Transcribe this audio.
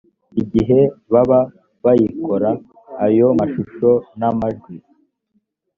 igihe baba bayikora ayo mashusho n amajwi